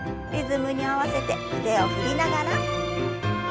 リズムに合わせて腕を振りながら。